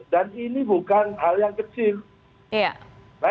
dan ini bukan hal yang kecil